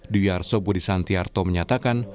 duyar sobudi santiarto menyatakan